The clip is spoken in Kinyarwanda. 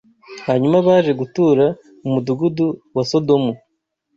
Hanyuma, baje gutura mu mudugudu wa Sodomu